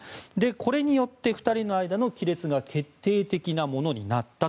これによって、２人の間の亀裂が決定的なものになった。